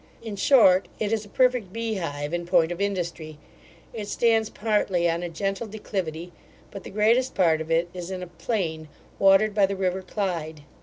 In short, it is a perfect bee hive in point of industry. It stands partly on a gentle declivity; but the greatest part of it is in a plain, watered by the river Clyde.